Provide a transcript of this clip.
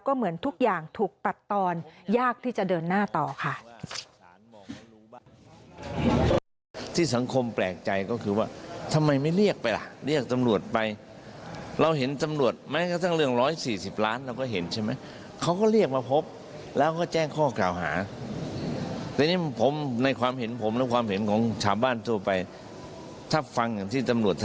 ก็เหมือนทุกอย่างถูกตัดตอนยากที่จะเดินหน้าต่อค่ะ